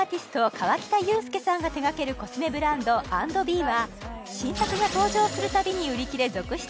河北裕介さんが手がけるコスメブランド＆ｂｅは新作が登場するたびに売り切れ続出